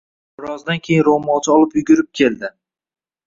Birozdan keyin roʻmolcha olib yugurib keldi: